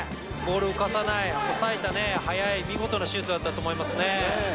ボールを浮かさない抑えた速い見事なシュートだったと思います。